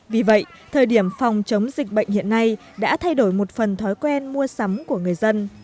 vì vậy thời điểm phòng chống dịch bệnh hiện nay đã thay đổi một phần thói quen mua sắm của người dân